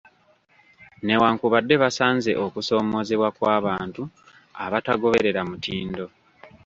Newankubadde basanze okusoomoozebwa kw’abantu abatagoberera mutindo.